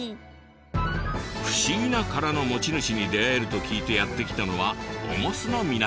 不思議な殻の持ち主に出会えると聞いてやって来たのは重栖の港。